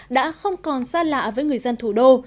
đã không còn xa lạ với người dân thủ đô